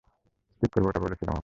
ঠিক করবো ওটা বলেছিলাম ওকে!